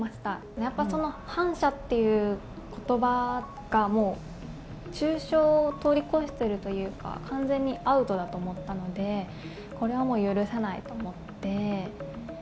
やっぱりその反社っていうことばが、もう中傷を通り越しているというか、完全にアウトだと思ったので、これはもう許せないと思って。